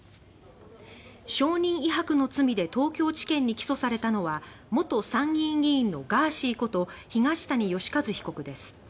証人威迫の罪で東京地検に起訴されたのは元参議院議員のガーシーこと東谷義和被告です。